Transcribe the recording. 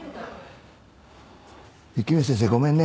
雪宮先生ごめんね。